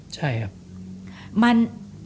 ใช่ครับ